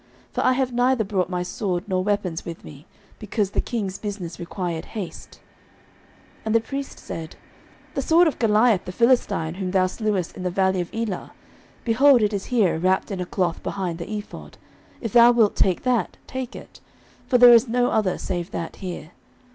for I have neither brought my sword nor my weapons with me, because the king's business required haste. 09:021:009 And the priest said, The sword of Goliath the Philistine, whom thou slewest in the valley of Elah, behold, it is here wrapped in a cloth behind the ephod: if thou wilt take that, take it: for there is no other save that here.